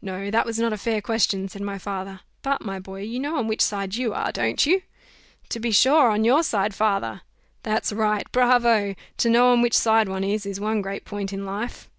"No! that was not a fair question," said my father; "but, my boy, you know on which side you are, don't you?" "To be sure on your side, father." "That's right bravo! To know on which side one is, is one great point in life."